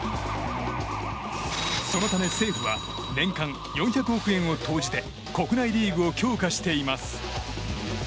そのため政府は年間４００億円を投じて国内リーグを強化しています。